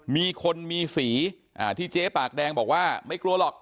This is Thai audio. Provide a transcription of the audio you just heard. มีคนมีสีที่เจ๊ปากแดงบอกว่าไม่กลัวหรอก